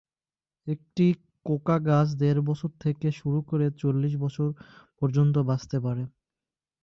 একটি কোকা গাছ দেড় বছর থেকে শুরু করে চল্লিশ বছর পর্যন্ত বাঁচতে পারে।